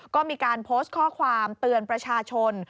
ก็มีการโพสต์ข้อความเตือนประชาชน